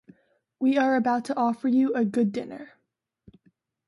We are about to offer you a good dinner.